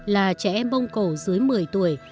là trẻ em mông cổ dưới một mươi tuổi